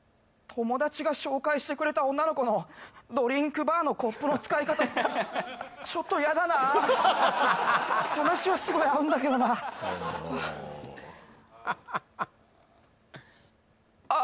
友達が紹介してくれた女の子のドリンクバーのコップの使い方ちょっとやだな話はすごい合うんだけどなあ